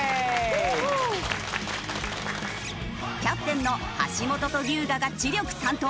キャプテンの橋本と龍我が知力担当。